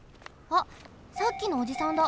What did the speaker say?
あっさっきのおじさんだ。